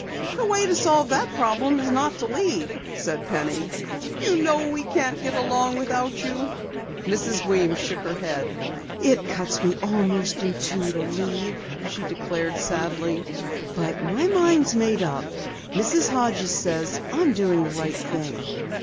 "The way to solve that problem is not to leave," said Penny. "You know we can't get along without you." Mrs. Weems shook her head. "It cuts me almost in two to leave," she declared sadly, "but my mind's made up. Mrs. Hodges says I am doing the right thing."